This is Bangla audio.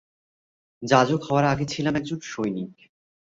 যাজক হওয়ার আগে ছিলাম একজন সৈনিক।